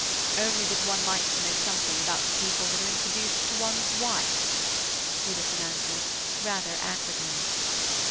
"Only that one likes to know something about the people that are introduced to one's wife," Widdowson answered rather acridly.